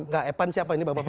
enggak epan siapa ini bapak